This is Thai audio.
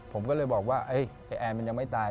ผมก็เลยบอกว่าไอ้แอร์มันยังไม่ตาย